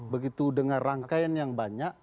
begitu dengan rangkaian yang banyak